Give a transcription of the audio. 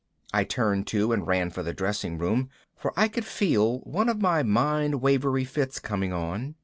I turned too and ran for the dressing room, for I could feel one of my mind wavery fits coming on.